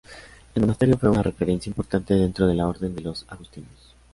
El monasterio fue una referencia importante dentro de la orden de los Agustinos.